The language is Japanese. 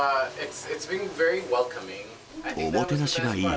おもてなしがいい。